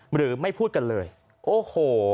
หรือไม่พูดกันเลยโอ้โห